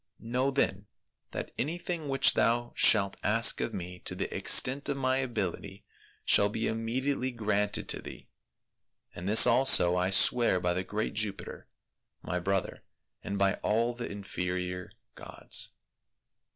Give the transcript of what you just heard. Know then, that anything which thou shalt ask of me to the extent of my ability shall be immediately granted to thee ; and this also I swear by the great Jupiter, my brother, and by all the inferior gods."